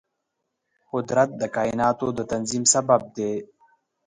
قدرت د کایناتو د تنظیم سبب دی.